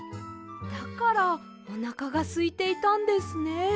だからおなかがすいていたんですね。